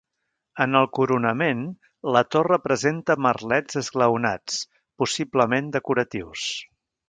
En el coronament, la torre presenta merlets esglaonats, possiblement decoratius.